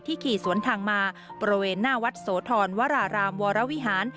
ขี่สวนทางมาบริเวณหน้าวัดโสธรวรารามวรวิหาร